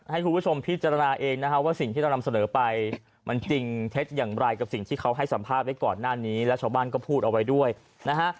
ให้คุณผู้ชมพิจารณาเองนะฮะว่าสิ่งที่เรานำเสนอไปมันจริงเท็จอย่างไรกับสิ่งที่เขาให้สัมภาษณ์ไว้ก่อนหน้านี้แล้วชาวบ้านก็พูดเอาไว้ด้วยนะฮะ